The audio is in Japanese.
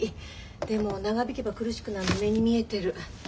でも長引けば苦しくなるの目に見えてる。